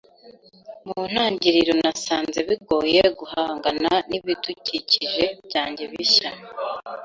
Mu ntangiriro nasanze bigoye guhangana n'ibidukikije byanjye bishya.